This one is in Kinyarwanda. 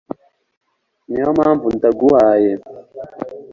niyo mpamvu ndaguhaye